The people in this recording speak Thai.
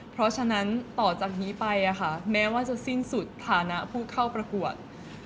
เพราะฉะนั้นต่อจากนี้ไปแม้ว่าจะสิ้นสุดฐานะผู้เข้าประกวด